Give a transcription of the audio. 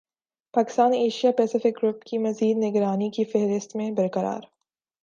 Pakistan Asia Pacific group کی مزید نگرانی کی فہرست میں برقرار